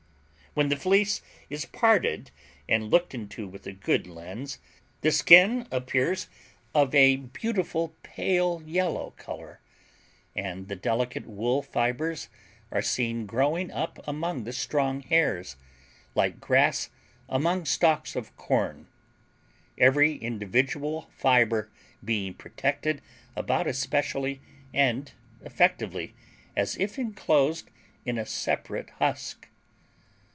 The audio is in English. When the fleece is parted and looked into with a good lens, the skin appears of a beautiful pale yellow color, and the delicate wool fibers are seen growing up among the strong hairs, like grass among stalks of corn, every individual fiber being protected about as specially and effectively as if inclosed in a separate husk.